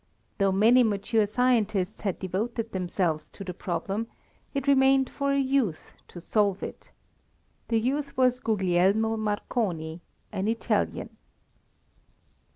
Though many mature scientists had devoted themselves to the problem, it remained for a youth to solve it. The youth was Guglielmo Marconi, an Italian.